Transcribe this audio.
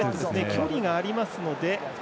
距離がありますので。